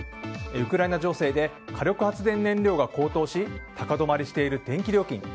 ウクライナ情勢で火力発電燃料が高騰し高止まりしている電気料金。